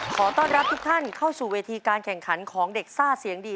ขอต้อนรับทุกท่านเข้าสู่เวทีการแข่งขันของเด็กซ่าเสียงดี